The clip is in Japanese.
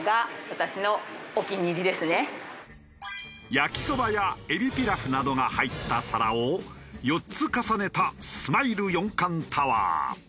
焼きそばや海老ピラフなどが入った皿を４つ重ねたスマイル四冠タワー。